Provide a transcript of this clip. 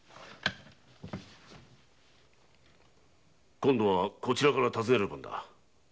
今度はこちらから尋ねる番だ。